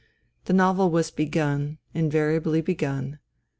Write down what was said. The novel was begun — ^invariably begun.